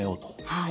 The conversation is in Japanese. はい。